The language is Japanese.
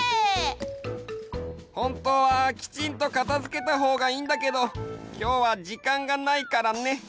ほんとうはきちんと片付けたほうがいいんだけどきょうはじかんがないからね。